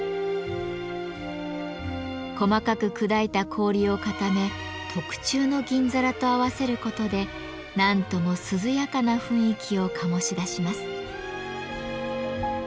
細かく砕いた氷を固め特注の銀皿と合わせることで何とも涼やかな雰囲気を醸し出します。